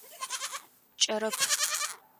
Кӏэрэп.